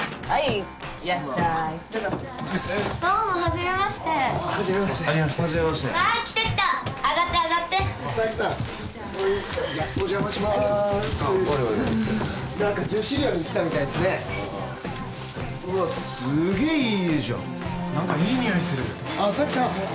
はい。